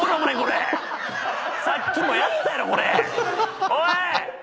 さっきもやったやろ⁉これ。